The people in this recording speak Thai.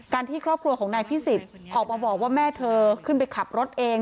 ที่ครอบครัวของนายพิสิทธิ์ออกมาบอกว่าแม่เธอขึ้นไปขับรถเอง